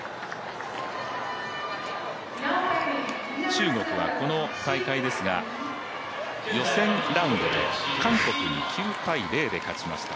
中国は、この大会ですが予選ラウンドで韓国に９−０で勝ちました。